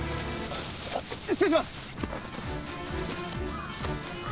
失礼します！